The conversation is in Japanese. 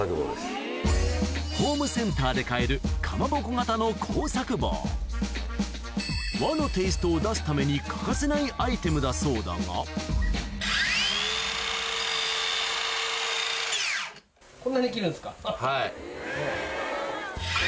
ホームセンターで買えるを出すために欠かせないアイテムだそうだがはい。